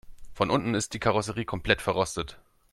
Von unten ist die Karosserie komplett verrostet.